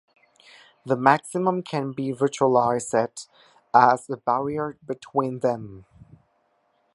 The maximum can be visualized as a barrier between them.